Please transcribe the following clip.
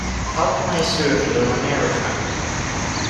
How can I serve you in America?